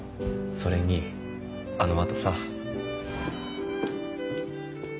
それにあの後さ。